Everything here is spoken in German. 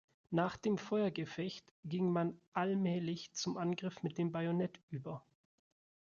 Nach dem Feuergefecht ging man allmählich zum Angriff mit dem Bajonett über.